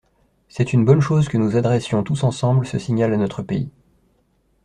C’est une bonne chose que nous adressions tous ensemble ce signal à notre pays.